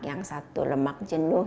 yang satu lemak jenduh